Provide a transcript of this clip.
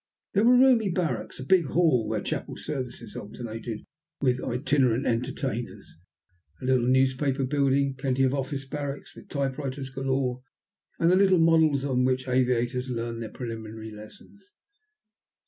There were roomy barracks, a big hall where chapel services alternated with itinerant entertainers, a little newspaper building, plenty of office barracks with typewriters galore and the little models on which aviators learn their preliminary lessons.